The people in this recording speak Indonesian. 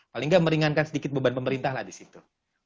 paling nggak meringankan sedikit beban pemerintah lah di situ